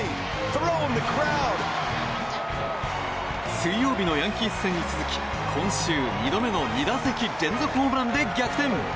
水曜日のヤンキース戦に続き今週２度目の２打席連続ホームランで逆転！